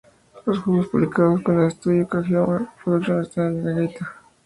Los juegos publicados con el estudio Kojima Productions están en negrita.